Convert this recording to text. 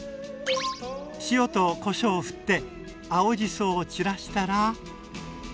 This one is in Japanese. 塩とこしょうをふって青じそを散らしたら。